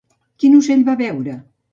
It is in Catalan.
Quin ocell va veure?